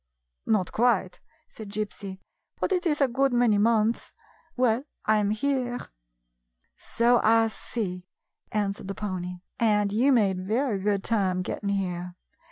" Not quite," said Gypsy ;" but it is a good many months. Well, I 'm here." "So I see," answered the pony, "and you made very good time getting here.